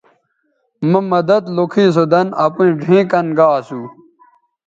مہ مدد لوکھی سو دَن اپیئں ڙھیئں کَن گا اسو